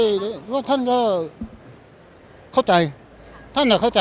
อธิบายผมรู้สึกว่าอะไรต่างจากคราวผู้ใหญ่บางท่านในวงศิพระนาม